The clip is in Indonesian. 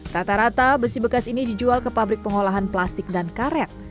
rata rata besi bekas ini dijual ke pabrik pengolahan plastik dan karet